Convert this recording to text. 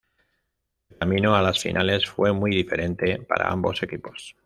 El camino a las Finales fue muy diferente para ambos equipos.